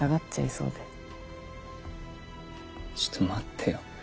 ちょっと待ってよ。